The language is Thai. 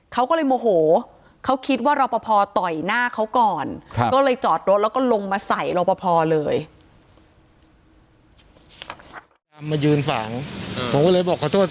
เขาก็เลยโมโหเขาคิดว่ารอปภต่อยหน้าเขาก่อนก็เลยจอดรถแล้วก็ลงมาใส่รอปภเลย